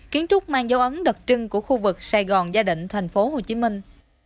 kiến trúc mang dấu ấn đặc trưng của khu vực sài gòn gia đình thành phố hồ chí minh